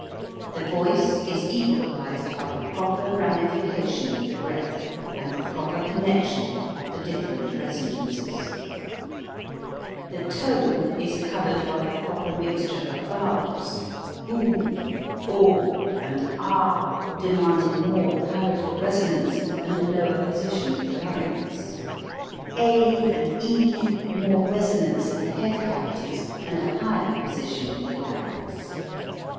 The voice is equalized by the proper rami fication of the breath and the proper connec tion of the different resonances. ITALIAN AND GERMAN 227 The tone is colored by the proper mixture of vowels; oo, o, and ah demanding more palatal resonance and a lower position of the larynx, d and e more resonance of the head cavities and a higher position of the larynx.